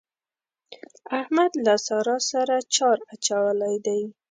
احمد له سارا سره چار اچولی دی.